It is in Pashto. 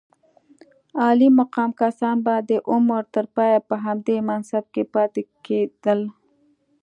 عالي مقام کسان به د عمر تر پایه په همدې منصب کې پاتې کېدل.